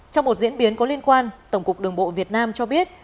trong một diễn biến có liên quan tổng cục đường bộ việt nam cho biết